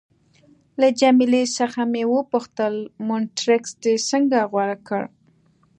له جميله څخه مې وپوښتل: مونټریکس دې څنګه غوره کړ؟